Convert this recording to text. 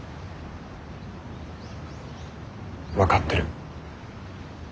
分かってる。